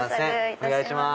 お願いします。